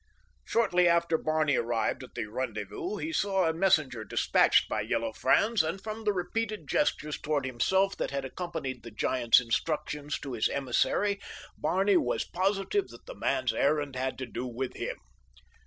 Shortly after Barney arrived at the rendezvous he saw a messenger dispatched by Yellow Franz, and from the repeated gestures toward himself that had accompanied the giant's instructions to his emissary, Barney was positive that the man's errand had to do with him.